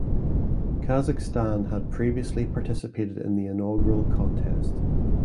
Kazakhstan had previously participated in the inaugural contest.